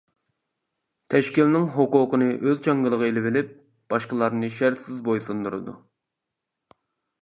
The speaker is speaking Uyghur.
تەشكىلنىڭ ھوقۇقىنى ئۆز چاڭگىلىغا ئېلىۋېلىپ، باشقىلارنى شەرتسىز بويسۇندۇرىدۇ.